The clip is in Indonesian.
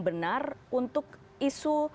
benar untuk isu